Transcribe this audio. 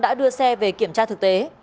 đã đưa xe về kiểm tra thực tế